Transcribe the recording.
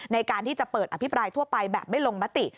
ในการที่จะเปิดอภิปรายทั่วไปแบบไม่ลงมติ